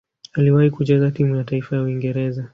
Aliwahi kucheza timu ya taifa ya Uingereza.